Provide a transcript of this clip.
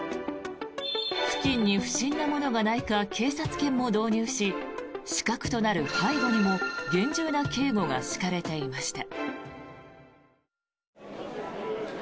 付近に不審なものがないか警察犬も導入し死角となる背後にも厳重な警護が敷かれていました。